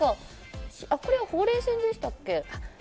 これは、ほうれい線でしたっけ。